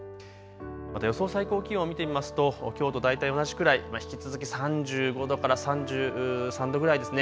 また予想最高気温を見てみますときょうと大体同じくらい、引き続き３５度から３３度ぐらいですね。